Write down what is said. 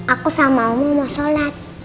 aku sama omni mau sholat